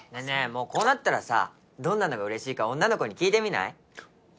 もうこうなったらさどんなのがうれしいか女の子に聞いてみない？